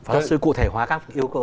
pháp sư cụ thể hóa các yêu cầu